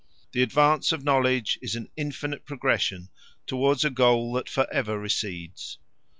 The advance of knowledge is an infinite progression towards a goal that for ever recedes.